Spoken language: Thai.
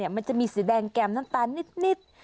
มันจะมีสีแดงแก่มน้ำตาลนิด